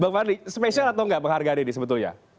bang fadli spesial atau enggak penghargaan ini sebetulnya